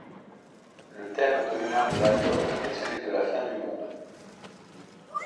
Le thème dominant de l'album est celui de la fin du monde.